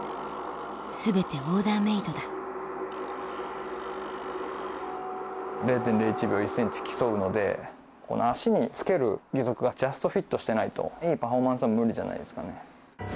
全てオーダーメイドだ０．０１秒１ｃｍ競うのでこの足につける義足がジャストフィットしてないといいパフォーマンスは無理じゃないですかね。